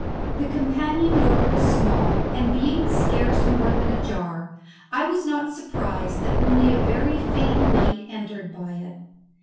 The companion door was small, and being scarce more than ajar I was not surprised that only a very faint light entered by it.